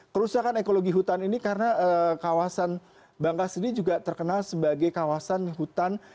kerusakan ekologi hutan ini karena kawasan bangka sendiri juga terkenal sebagai kawasan hutan